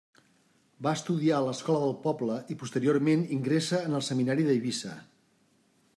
Va estudiar a l'escola del poble i posteriorment ingressa en el Seminari d'Eivissa.